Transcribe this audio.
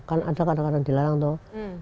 kan ada kadang kadang dilarang tuh